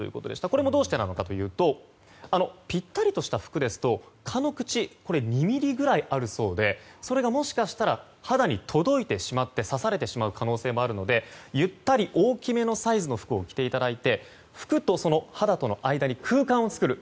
これもどうしてなのかというとぴったりした服ですと蚊の口、２ｍｍくらいあるそうでそれがもしかしたら肌に届いてしまって刺されてしまう可能性もあるのでゆったり大きめのサイズの服を着ていただいて服と肌との間に空間を作る。